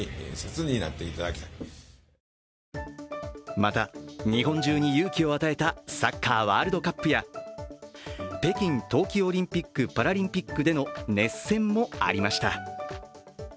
また、日本中に勇気を与えたサッカーワールドカップや北京冬季オリンピック・パラリンピックでの熱戦もありました。